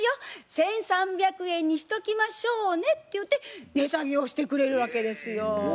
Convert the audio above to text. １，３００円にしときましょうね」ってゆうて値下げをしてくれるわけですよ。